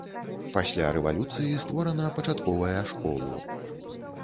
Пасля рэвалюцыі створана пачатковая школу.